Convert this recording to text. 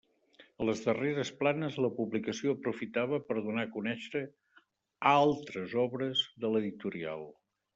En les darreres planes la publicació aprofitava per donar a conèixer altres obres de l'editorial.